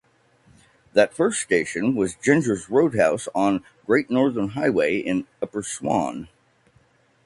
That first station was Gingers Roadhouse on Great Northern Highway in Upper Swan.